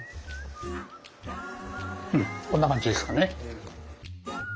うんこんな感じですかね。